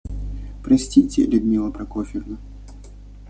Простите, Людмила Прокофьевна.